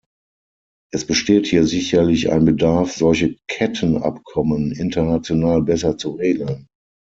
Es besteht hier sicherlich ein Bedarf, solche Kettenabkommen international besser zu regeln.